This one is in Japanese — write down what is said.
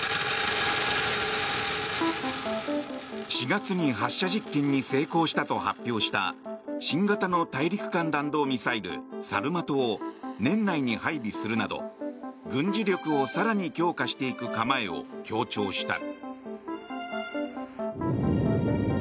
４月に発射実験に成功したと発表した新型の大陸間弾道ミサイルサルマトを年内に配備するなど、軍事力を更に強化していく構えを強調した。